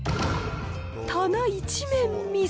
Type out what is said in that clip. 棚一面、みそ。